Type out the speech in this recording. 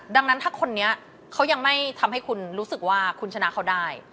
ดังนั้นถ้าคนนี้เขายังไม่ทำให้คุณรู้สึกว่าคุณชนะเขาได้